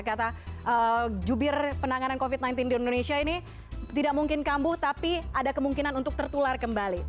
kata jubir penanganan covid sembilan belas di indonesia ini tidak mungkin kambuh tapi ada kemungkinan untuk tertular kembali